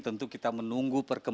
tentu kita menunggu perkawinan